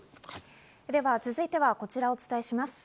続いてはこちら、お伝えします。